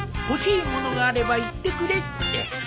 欲しい物があれば言ってくれって。